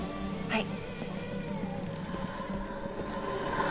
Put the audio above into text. はい。